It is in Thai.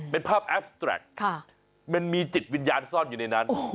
เป็นภาพแอฟสแตรกมันมีจิตวิญญาณซ่อนอยู่ในนั้น